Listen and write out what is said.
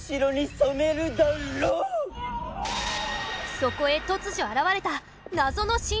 そこへ突如現れた。